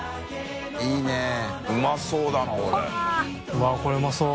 うわこれうまそう！